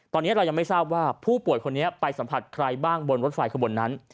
ตอนนี้เรายังไม่ทราบว่าผู้ป่วยคนนี้ไปสัมผัสใครบ้างบนรถไฟขบวนนั้น